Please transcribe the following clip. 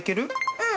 うん！